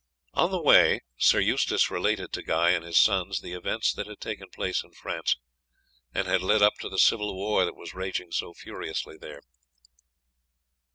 On the way Sir Eustace related to Guy and his sons the events that had taken place in France, and had led up to the civil war that was raging so furiously there.